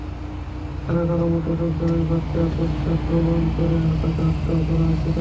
কারো কারো মতে, লোকজন ঐ বাচ্চার পশ্চাদ্ধাবন করে তাকেও হত্যা করেছিল।